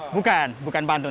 bukan bukan pantun